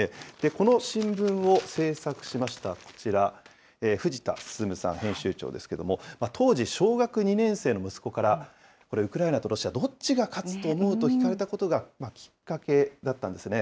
この新聞を制作しましたこちら、藤田進さん、編集長ですけれども、当時小学２年生の息子から、これ、ウクライナとロシア、どっちが勝つと思う？と聞かれたことがきっかけだったんですね。